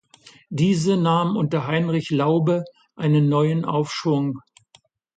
Diese nahm unter Heinrich Laube einen neuen Aufschwung.